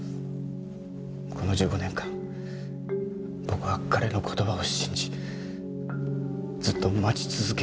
この１５年間僕は彼の言葉を信じずっと待ち続けていました。